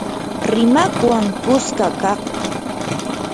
rimaqwan kuska kaq